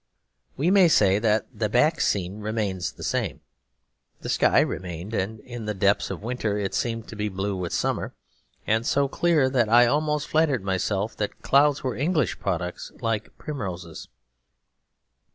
We may say that the back scene remains the same. The sky remained, and in the depths of winter it seemed to be blue with summer; and so clear that I almost flattered myself that clouds were English products like primroses.